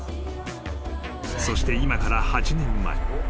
［そして今から８年前］